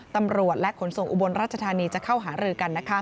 ตำรวจและขนส่งอุบลราชธานีจะเข้าหารือกัน